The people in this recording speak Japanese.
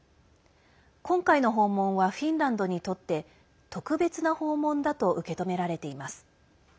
今回の訪問はフィンランドにとって特別な訪問だと受け止められています。